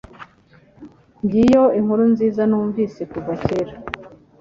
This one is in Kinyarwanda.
Ngiyo inkuru nziza numvise kuva kera.